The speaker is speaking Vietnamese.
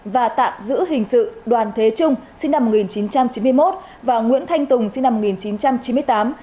và tạm giữ hình sự đoàn thế trung sinh năm một nghìn chín trăm chín mươi một và nguyễn thanh tùng sinh năm một nghìn chín trăm chín mươi tám